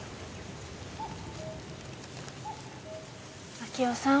明夫さん。